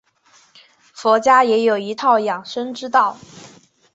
佛家也有一套养生之道。